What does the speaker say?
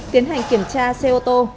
tiến hành kiểm tra xe ô tô